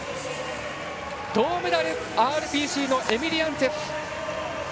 銅メダル、ＲＰＣのエメリアンツェフ。